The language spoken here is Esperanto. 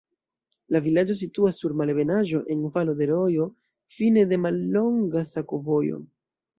La vilaĝo situas sur malebenaĵo, en valo de rojo, fine de mallonga sakovojo.